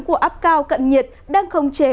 của áp cao cận nhiệt đang khống chế